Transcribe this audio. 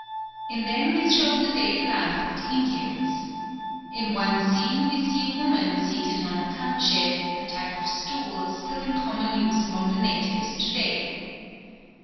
In them is shown the daily life of the Indians. In one scene we see a woman seated on a kanche, a type of stool still in common use among the natives to day.